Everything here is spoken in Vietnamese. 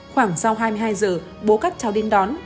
khoảng sau hai mươi hai giờ bố các cháu đi đón